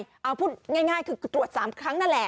เอาพูดง่ายคือตรวจ๓ครั้งนั่นแหละ